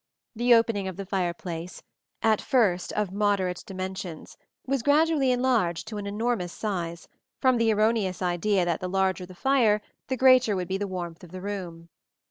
The opening of the fireplace, at first of moderate dimensions, was gradually enlarged to an enormous size, from the erroneous idea that the larger the fire the greater would be the warmth of the room.